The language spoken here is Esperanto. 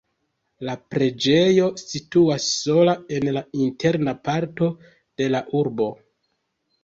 La preĝejo situas sola en la interna parto de la urbo.